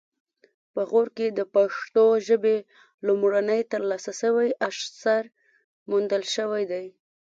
په غور کې د پښتو ژبې لومړنی ترلاسه شوی اثر موندل شوی دی